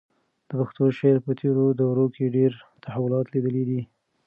د پښتو شعر په تېرو دورو کې ډېر تحولات لیدلي دي.